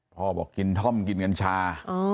พ่อบอกกินท่อมกินกัญชา